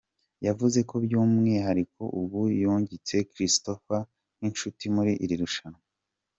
Yavuze ko by’umwihariko ubu yungutse Christopher nk’inshuti muri iri rushanwa.